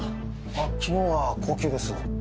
あっ昨日は公休です。